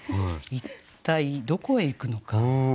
一体どこへ行くのか。